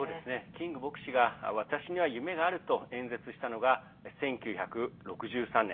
キング牧師が「私には夢がある」と演説したのが１９６３年。